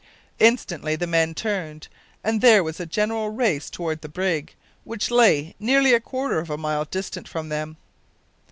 Instantly the men turned, and there was a general race toward the brig, which lay nearly a quarter of a mile distant from them.